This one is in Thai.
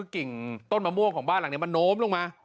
กิ่งต้นมะม่วงของบ้านหลังนี้มันโน้มลงมา